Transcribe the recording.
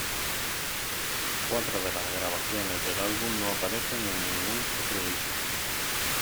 Cuatro de las grabaciones del álbum no aparecen en ningún otro disco.